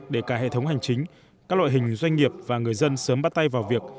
để cả hệ thống hành chính các loại hình doanh nghiệp và người dân sớm bắt tay vào việc